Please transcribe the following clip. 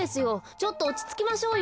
ちょっとおちつきましょうよ。